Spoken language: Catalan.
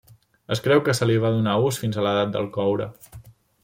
Es creu que se li va donar ús fins a l'Edat del Coure.